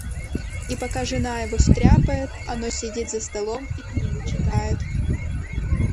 И пока жена его стряпает, оно сидит за столом и книгу читает.